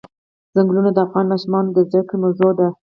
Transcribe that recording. چنګلونه د افغان ماشومانو د زده کړې موضوع ده.